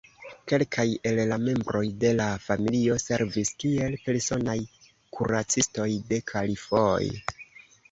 Kelkaj el la membroj de la familio servis kiel personaj kuracistoj de kalifoj.